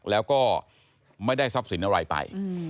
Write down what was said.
แล้วก็ไม่ได้ทรัพย์สินอะไรไป